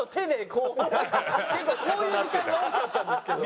結構こういう時間が多かったんですけど。